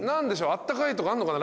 あったかいとかあんのかな？